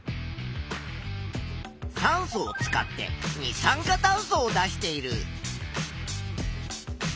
酸素を使って二酸化炭素を出している。